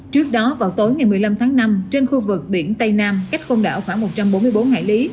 trước đó vào tối ngày một mươi năm tháng năm trên khu vực biển tây nam cách côn đảo khoảng một trăm bốn mươi bốn hải lý